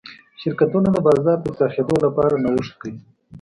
شرکتونه د بازار د پراخېدو لپاره نوښت کوي.